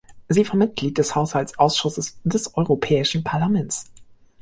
Sie war Mitglied des Haushaltsausschusses des Europäischen Parlaments.